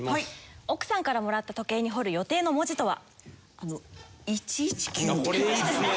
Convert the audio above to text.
奥さんからもらった時計に彫る予定の文字とは？